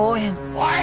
おい！